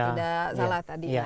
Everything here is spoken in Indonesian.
kalau tidak salah tadinya